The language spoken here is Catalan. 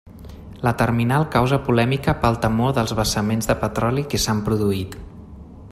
La terminal causa polèmica pel temor dels vessaments de petroli que s'han produït.